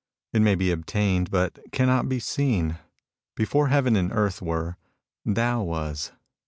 It may be obtained, but cannot be seen. Before heaven and earth were, Tao was.